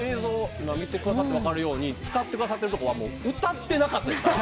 今見てくださって分かるように使ってくださってるところは歌ってなかったですから。